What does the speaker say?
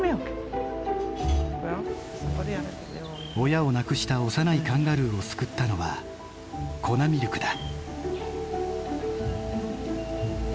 親を亡くした幼いカンガルーを救ったのは粉ミルクだ。